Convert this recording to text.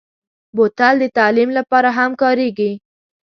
بوتل د تعلیم لپاره هم کارېږي.